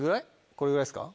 これぐらいですか？